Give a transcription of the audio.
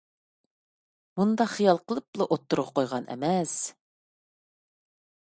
مۇنداق خىيال قىلىپلا ئوتتۇرىغا قويغان ئەمەس.